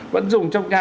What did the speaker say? vẫn dùng trong nhà